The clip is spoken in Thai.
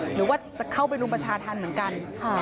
หรือว่าจะเข้าไปรุมประชาธรรมเหมือนกัน